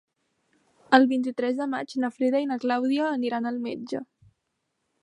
El vint-i-tres de maig na Frida i na Clàudia aniran al metge.